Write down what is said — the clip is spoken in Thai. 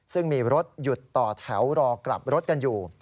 ซึ่งมีรถหยุดต่อแถวรอกลับรถกันอยู่